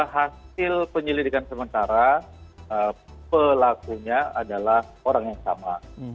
hasil penyelidikan sementara pelakunya adalah orang yang sama